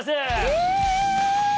えっ！